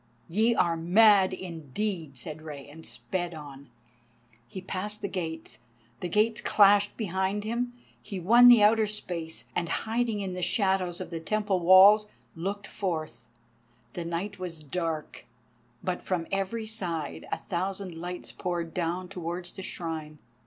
"Ye are mad indeed," said Rei, and sped on. He passed the gates, the gates clashed behind him. He won the outer space, and hiding in the shadows of the Temple walls, looked forth. The night was dark, but from every side a thousand lights poured down towards the Shrine.